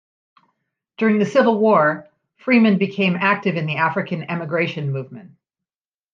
During the Civil War, Freeman became active in the African emigration movement.